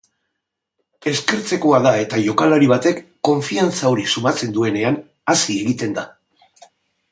Eskertzekoa da eta jokalari batek konfiantza hori sumatzen duenean hazi egiten da.